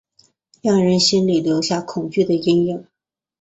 让人心里留下恐惧的阴影